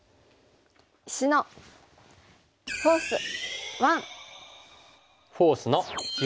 「石のフォース１」。